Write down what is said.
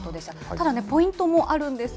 ただ、ポイントもあるんです。